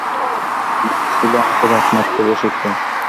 মা ছিল আমাদের একমাত্র শিক্ষক।